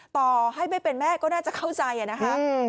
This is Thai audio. ต่อให้ไม่เป็นแม่ก็น่าจะเข้าใจนะคะ